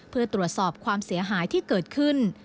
เพื่อตรวจสอบความเสียหายที่เกิดขึ้น